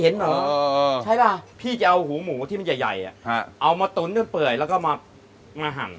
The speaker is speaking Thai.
เอาหูหมูที่มันใหญ่เอามาตุ๋นด้วยเปลือยแล้วก็มาหั่ง